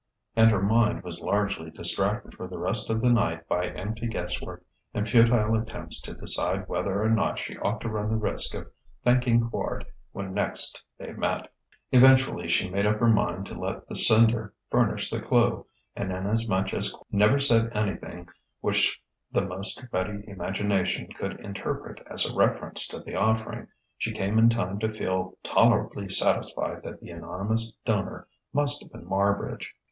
And her mind was largely distracted for the rest of the night by empty guesswork and futile attempts to decide whether or not she ought to run the risk of thanking Quard when next they met. Eventually she made up her mind to let the sender furnish the clue; and inasmuch as Quard never said anything which the most ready imagination could interpret as a reference to the offering, she came in time to feel tolerably satisfied that the anonymous donor must have been Marbridge.